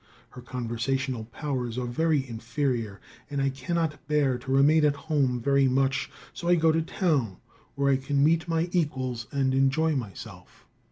Her conversational powers are very inferior, and I cannot bear to remain at home very much. So I go to town, where I can meet my equals and enjoy myself.